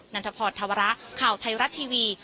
ันทพรธวระข่าวไทยรัฐทีวี